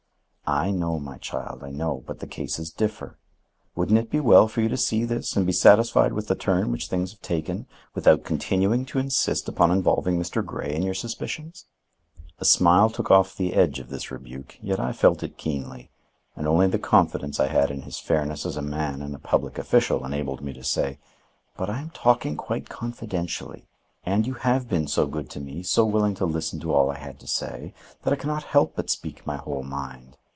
"I know, my child, I know; but the cases differ. Wouldn't it be well for you to see this and be satisfied with the turn which things have taken, without continuing to insist upon involving Mr. Grey in your suspicions?" A smile took off the edge of this rebuke, yet I felt it keenly; and only the confidence I had in his fairness as a man and public official enabled me to say: "But I am talking quite confidentially. And you have been so good to me, so willing to listen to all I had to say, that I can not help but speak my whole mind.